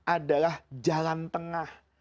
adalah jalan tengah